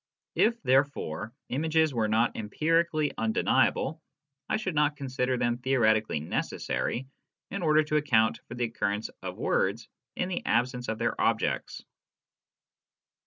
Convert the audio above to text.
If, therefore, images were not empirically undeniable, I should not consider them theoretically necessary in order to account for the occurrence of words in the absence of their objects.